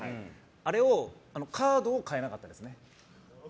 あのカードを変えなかったです。